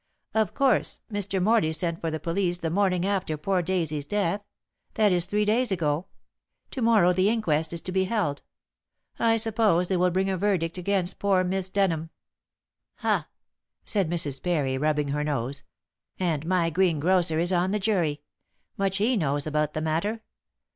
"Of course, Mr. Morley sent for the police the morning after poor Daisy's death. That is three days ago. To morrow the inquest is to be held. I suppose they will bring a verdict against poor Miss Denham." "Ha!" said Mrs. Parry, rubbing her nose, "and my greengrocer is on the jury. Much he knows about the matter.